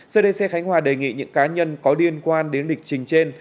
cdc khánh hòa đề nghị những cá nhân có liên quan đến lịch trình trên